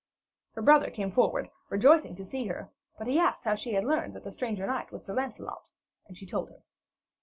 Her brother came forward, rejoicing to see her, but he asked how she had learned that the stranger knight was Sir Lancelot, and she told him.